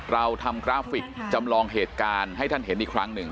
เราทำกราฟิกจำลองเหตุการณ์ให้ท่านเห็นอีกครั้งหนึ่ง